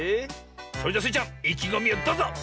それじゃスイちゃんいきごみをどうぞ！